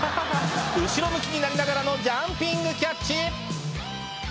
後ろ向きになりながらのジャンピングキャッチ。